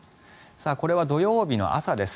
これは土曜日の朝です。